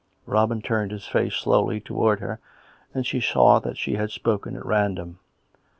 Robin turned his face slowly towards her, and she saw that she had spoken at random.